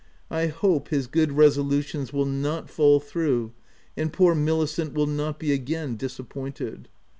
I hope his good resolutions will not fall through, and poor Milicent will not be again disappointed.